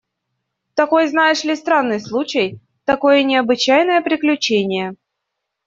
– Такой, знаешь ли, странный случай, такое необычайное приключение!